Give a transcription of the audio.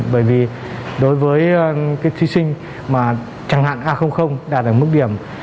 bởi vì đối với cái thí sinh mà chẳng hạn a đạt được mức điểm